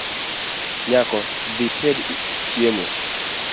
Nyako, dhited chiemo